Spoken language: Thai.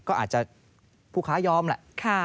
ก็อาจจะผู้ค้ายอมแหละ